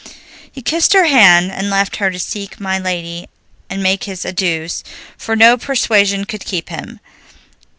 He kissed her hand and left her to seek my lady and make his adieus, for no persuasion could keep him.